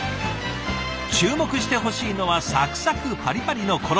注目してほしいのはサクサクパリパリの衣。